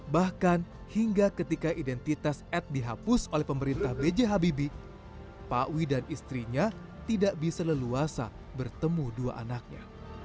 bahkan hingga ketika identitas ad dihapus oleh pemerintah b j habibie pak wi dan istrinya tidak bisa leluasa bertemu dua anaknya